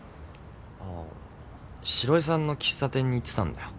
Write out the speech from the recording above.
ああ城井さんの喫茶店に行ってたんだよ。